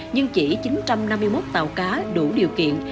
nhưng chỉ chín trăm năm mươi một tàu cá đủ điều kiện